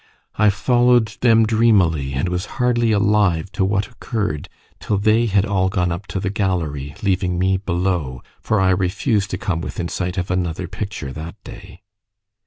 I followed them dreamily, and was hardly alive to what occurred till they had all gone up to the gallery, leaving me below; for I refused to come within sight of another picture that day.